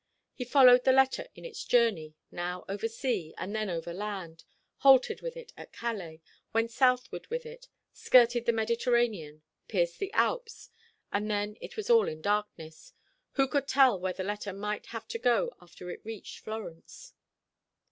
He followed the letter in its journey, now over sea, and then over land halted with it at Calais, went southward with it, skirted the Mediterranean, pierced the Alps, and then it was all darkness. Who could tell where the letter might have to go after it reached Florence?